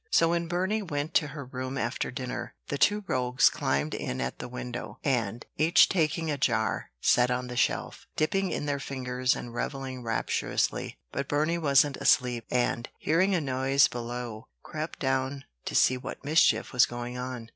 So when Burney went to her room after dinner, the two rogues climbed in at the window; and, each taking a jar, sat on the shelf, dipping in their fingers and revelling rapturously. But Burney wasn't asleep, and, hearing a noise below, crept down to see what mischief was going on.